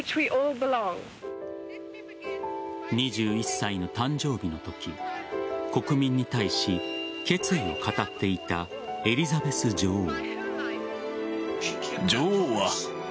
２１歳の誕生日のとき国民に対し、決意を語っていたエリザベス女王。